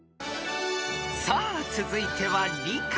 ［さあ続いては理科］